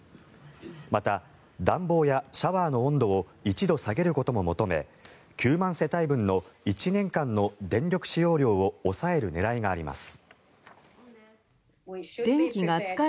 また、暖房やシャワーの温度を１度下げることも求め９万世帯分の１年間の電力使用量を抑える狙いがあります。